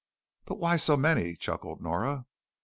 "But why so many?" chuckled Nora.